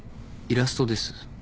イラストです。